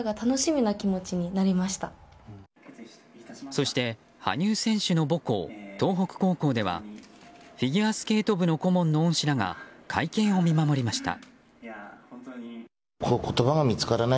そして、羽生選手の母校東北高校ではフィギュアスケート部の顧問の恩師らが会見を見守りました。